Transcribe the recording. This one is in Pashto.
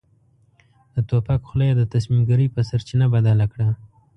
د توپک خوله يې د تصميم ګيرۍ په سرچينه بدله کړه.